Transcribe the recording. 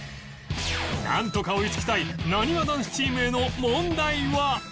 なんとか追いつきたいなにわ男子チームへの問題は